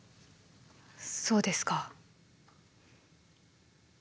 そうですか。